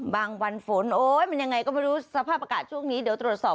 วันฝนโอ๊ยมันยังไงก็ไม่รู้สภาพอากาศช่วงนี้เดี๋ยวตรวจสอบ